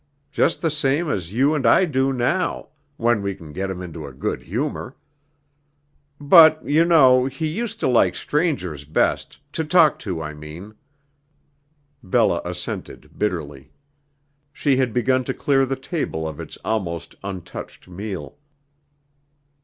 Just the same as you and I do now when we can get him into a good humor. But, you know, he used to like strangers best to talk to, I mean." Bella assented, bitterly. She had begun to clear the table of its almost untouched meal.